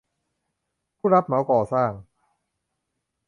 ผู้รับเหมาก่อสร้าง